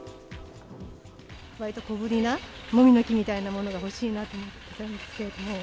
わりと小ぶりはもみの木みたいなものが欲しいなと思ったんですけど。